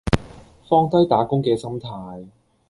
放低打工嘅心態